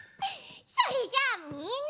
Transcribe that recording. それじゃあみんなも。